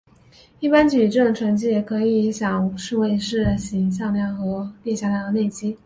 一般矩阵乘积也可以想为是行向量和列向量的内积。